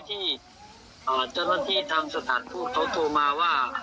ที่เจ้าหน้าที่ทางสถานทูตเขาโทรมาว่า